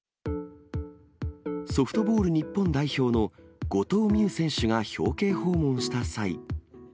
ソフトボール日本代表の後藤希友選手が表敬訪問した際。